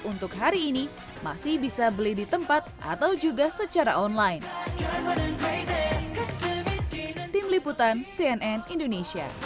untuk hari ini masih bisa beli di tempat atau juga secara online